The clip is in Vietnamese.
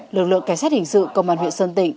lực lượng cảnh sát hình sự công an huyện sơn tịnh